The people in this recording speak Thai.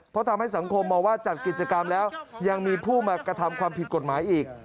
เพราะทำให้สังคมมองว่าจัดกิจกรรมแล้วยังมีผู้มากระทำความผิดกฎหมายอีก